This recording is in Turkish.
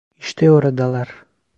İşte oradalar!